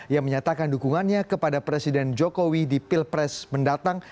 yang menyatakan dukungannya kepada presiden jokowi di pilpres mendatang